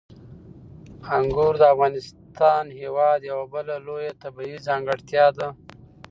انګور د افغانستان هېواد یوه بله لویه طبیعي ځانګړتیا ده.